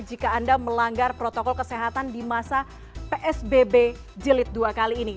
jika anda melanggar protokol kesehatan di masa psbb jilid dua kali ini